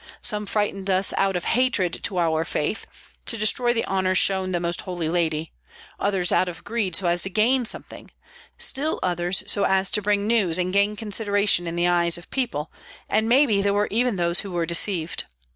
Some frightened us out of hatred to our faith, to destroy the honor shown the Most Holy Lady; others, out of greed, so as to gain something; still others, so as to bring news and gain consideration in the eyes of people; and maybe there were even those who were deceived.